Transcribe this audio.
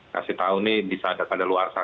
kasih tahu ini bisa ada kadaluarsa